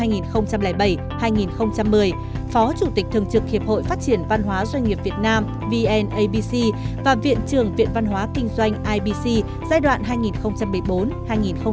phó chủ tịch thường trực hiệp hội phát triển văn hóa doanh nghiệp việt nam vnabc và viện trưởng viện văn hóa kinh doanh ibc giai đoạn hai nghìn một mươi bốn hai nghìn một mươi chín